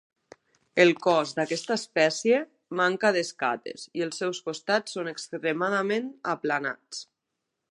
El cos d'aquesta espècie manca d'escates i els seus costats són extremadament aplanats.